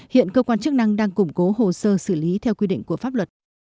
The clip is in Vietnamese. hiện cơ quan chức năng đang củng cố hồ sơ xử lý theo quy định của pháp luật